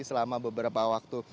selama beberapa waktu